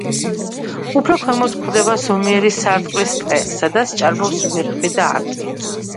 უფრო ქვემოთ გვხვდება ზომიერი სარტყლის ტყე, სადაც ჭარბობს ვერხვი და არყი.